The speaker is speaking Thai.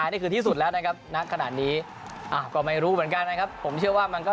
นี่คือที่สุดแล้วนะครับณขนาดนี้ก็ไม่รู้เหมือนกันนะครับผมเชื่อว่ามันก็